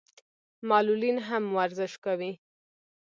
معلولین هم ورزش کوي.